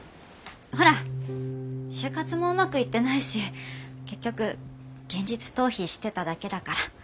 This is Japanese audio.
ほら就活もうまくいってないし結局現実逃避してただけだから。